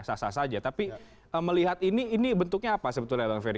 sah sah saja tapi melihat ini bentuknya apa sebetulnya bang ferry